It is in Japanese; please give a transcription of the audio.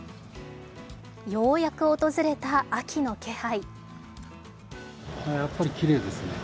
ようやく訪れた秋の気配。